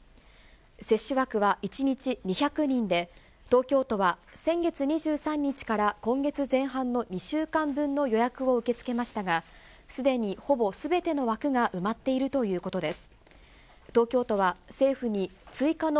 接種枠は１日２００人で、東京都は先月２３日から今月前半の２週間分の予約を受け付けましたが、すでにほぼすべての枠が埋まっているということです。